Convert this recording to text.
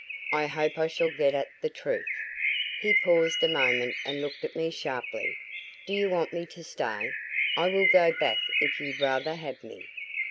I hope I shall get at the truth." He paused a moment and looked at me sharply. "Do you want me to stay? I will go back if you'd rather have me."